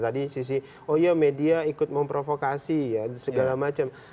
tadi sisi oh ya media ikut memprovokasi ya segala macam